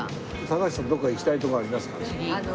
高橋さんどこか行きたいとこありますか？